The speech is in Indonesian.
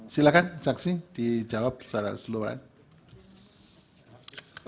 silakan saksi dijawab secara seluruh